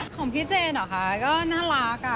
ของพี่เจนเหรอคะก็น่ารัก